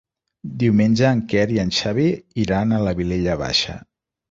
Diumenge en Quer i en Xavi iran a la Vilella Baixa.